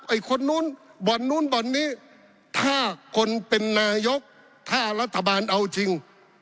ไอ้คนนู้นบ่อนนู้นบ่อนนี้ถ้าคนเป็นนายกถ้ารัฐบาลเอาจริง